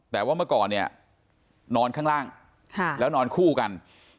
แต่ว่าเมื่อก่อนเนี่ยนอนข้างล่างแล้วนอนคู่กัน